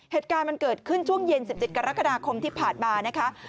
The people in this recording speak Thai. เหตุการณ์มันเกิดขึ้นช่วงเย็น๑๗กรกฎาคมที่ผ่านมานะคะ